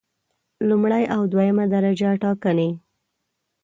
لومړی او دویمه درجه ټاکنې